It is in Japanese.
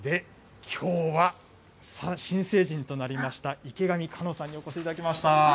きょうは、新成人となりましたいけがみかのさんにお越しいただきました。